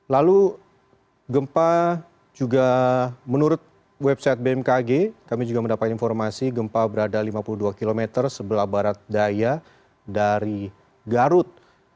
lalu gempa juga menurut website bmkg kami juga mendapat informasi gempa berada lima puluh dua km sebelah barat daya dari garut